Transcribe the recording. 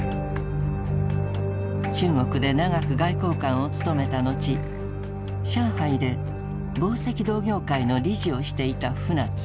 中国で長く外交官を務めた後上海で紡績同業会の理事をしていた船津。